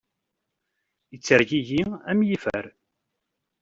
Ittergigi am yifer.